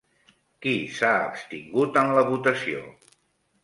Qui s'ha abstingut en la votació?